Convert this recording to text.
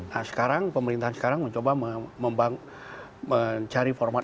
nah sekarang pemerintahan sekarang mencoba mencari format